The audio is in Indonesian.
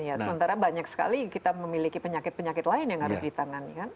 ya sementara banyak sekali kita memiliki penyakit penyakit lain yang harus ditangani kan